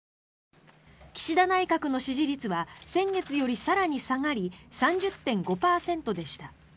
岸田内閣の支持率は先月より更に下がり３０．５％でした。